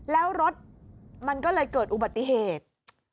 แล้วรถมันก็เลยเกิดอุบัติเหตุ